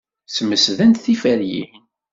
Smesdent tiferyin.